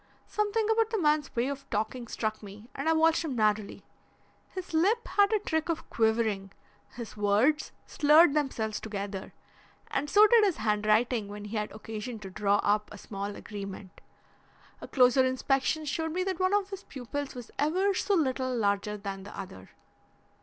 Something about the man's way of talking struck me and I watched him narrowly. His lip had a trick of quivering, his words slurred themselves together, and so did his handwriting when he had occasion to draw up a small agreement. A closer inspection showed me that one of his pupils was ever so little larger than the other.